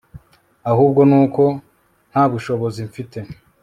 ahubwo nuko ntabushobozi mfite